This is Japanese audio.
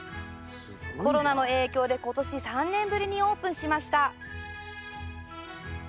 コロナの影響でことし３年ぶりにオープンしました。